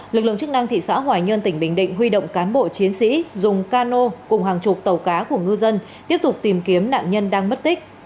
lực lượng chức năng thị xã hoài nhơn tỉnh bình định huy động cán bộ chiến sĩ dùng cano cùng hàng chục tàu cá của ngư dân tiếp tục tìm kiếm nạn nhân đang mất tích